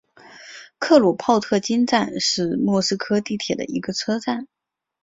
克鲁泡特金站是莫斯科地铁的一个车站。